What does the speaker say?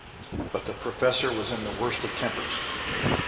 But the professor was in the worst of tempers.